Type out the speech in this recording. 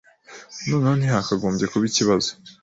Noneho ntihakagombye kubaho ikibazo.